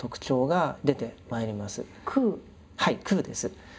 はい空です。